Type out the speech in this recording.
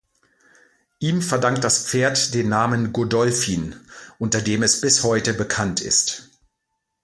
Ihm verdankt das Pferd den Namen Godolphin, unter dem es bis heute bekannt ist.